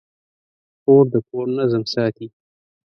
خور د کور نظم ساتي.